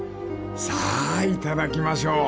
［さあいただきましょう］